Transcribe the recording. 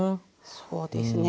そうですね。